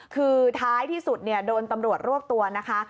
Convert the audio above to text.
คือท้ายที่สุดโดนตำรวจรวบตัวนะคะ